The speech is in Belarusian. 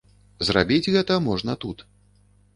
Зрабіць гэта можна тут.